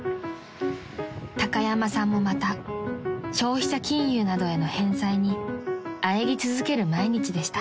［高山さんもまた消費者金融などへの返済にあえぎ続ける毎日でした］